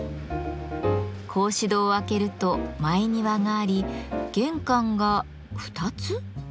格子戸を開けると「前庭」があり玄関が２つ？